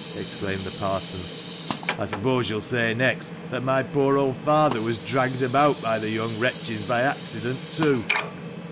exclaimed the parson "I suppose you'll say next that my poor old father was dragged about by the young wretches by accident, too?"